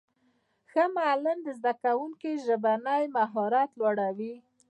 ښه معلم د زدهکوونکو ژبنی مهارت لوړوي.